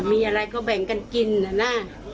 มีอะไรก็แบ่งกันกินนะนะ